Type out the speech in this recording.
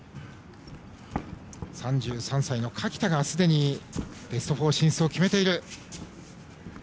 ３３歳の垣田がすでにベスト４進出を決めている。